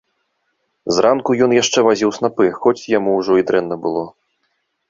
Зранку ён яшчэ вазіў снапы, хоць яму ўжо і дрэнна было.